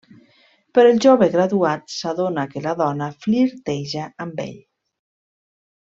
Però el jove graduat s'adona que la dona flirteja amb ell.